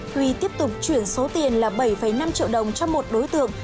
huy tiếp tục chuyển số tiền là bảy năm triệu đồng cho một đối tượng